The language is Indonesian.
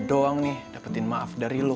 demi lo doang nih dapetin maaf dari lo